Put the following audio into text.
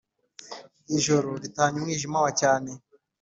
Ijoro ritahanye umwijima wa cyane